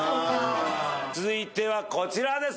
続いてはこちらです。